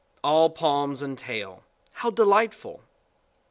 All palms and tail; how delightful!